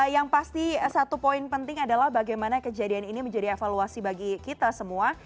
yang pasti satu poin penting adalah bagaimana kejadian ini menjadi evaluasi bagi kita semua